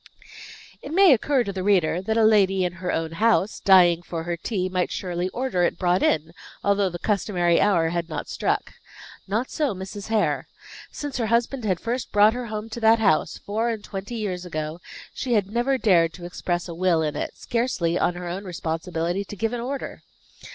It may occur to the reader, that a lady in her own house, "dying for her tea," might surely order it brought in, although the customary hour had not struck. Not so Mrs. Hare. Since her husband had first brought her home to that house, four and twenty years ago, she had never dared to express a will in it; scarcely, on her own responsibility, to give an order.